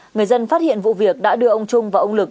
người dân phát hiện vụ việc đã đưa ông trung và ông lực